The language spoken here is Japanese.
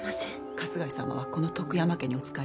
春日井様はこの徳山家にお仕えして４０年。